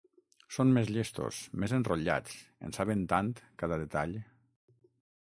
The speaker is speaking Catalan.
Són més llestos, més enrotllats, en saben tant, cada detall.